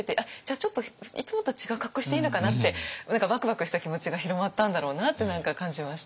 ちょっといつもと違う格好していいのかなって何かワクワクした気持ちが広まったんだろうなって感じました。